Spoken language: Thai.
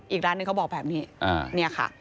อีกร้านหนึ่งเขาบอกแบบนี้เนี่ยค่ะ